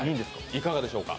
いかがでしょうか。